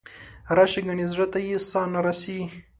راشه ګنې زړه ته یې ساه نه رسي.